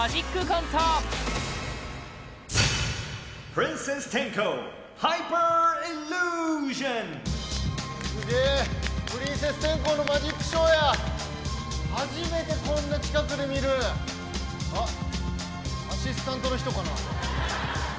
プリンセス天功のマジックショーや初めてこんな近くで見るあっアシスタントの人かな？